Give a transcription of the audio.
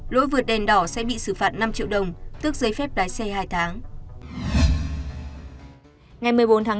lỗi vượt đèn đỏ sẽ bị xử phạt năm triệu đồng tước giấy phép lái xe hai tháng